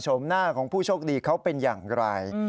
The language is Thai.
หน้าของผู้โชคดีเขาเป็นอย่างไร